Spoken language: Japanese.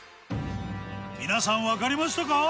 皆さんわかりましたか？